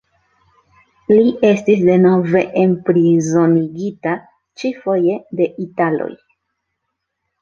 Li estis denove enprizonigita, ĉi-foje de italoj.